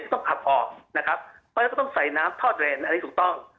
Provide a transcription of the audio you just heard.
ที่ต้องขับออกแล้วก็ต้องใส่น้ำทอดเรนอันนี้ถูกต้อง